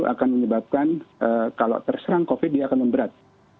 itu akan menyebabkan kalau terserang covid sembilan belas dia akan memberat